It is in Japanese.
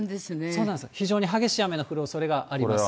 そうなんですよ、非常に激しい雨の降るおそれがあります。